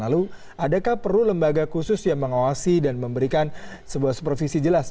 lalu adakah perlu lembaga khusus yang mengawasi dan memberikan sebuah supervisi jelas